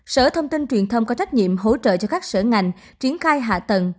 sở thông tin truyền thông có trách nhiệm hỗ trợ cho các sở ngành triển khai hạ tầng